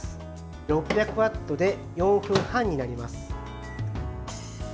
６００ワットで４分半になります。